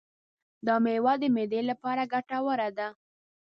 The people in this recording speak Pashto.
دا مېوه د معدې لپاره ګټوره ده.